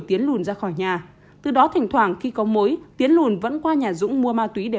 tiến lùn ra khỏi nhà từ đó thỉnh thoảng khi có mối tiến lùn vẫn qua nhà dũng mua ma túy để